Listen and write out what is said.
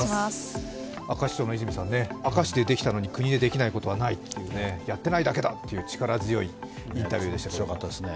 明石市長の泉さんね、明石でできたのに国でできないことはないっていうやっていないだけだという力強いインタビューでしたけど。